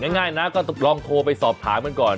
ง่ายนะก็ลองโทรไปสอบถามกันก่อน